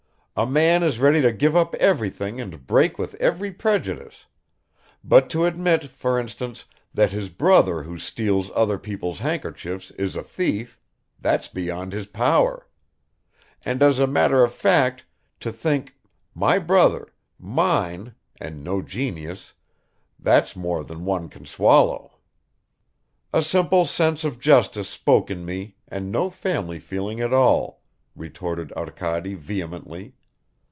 A man is ready to give up everything and break with every prejudice; but to admit, for instance, that his brother who steals other people's handkerchiefs is a thief that's beyond his power. And as a matter of fact to think my brother, mine and no genius that's more than one can swallow!" "A simple sense of justice spoke in me and no family feeling at all," retorted Arkady vehemently.